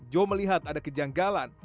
jo melihat ada kejanggalan